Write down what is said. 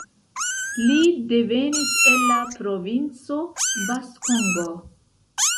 Li devenis el la Provinco Bas-Congo.